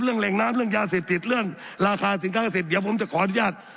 แหล่งน้ำเรื่องยาเสพติดเรื่องราคาสินค้าเกษตรเดี๋ยวผมจะขออนุญาต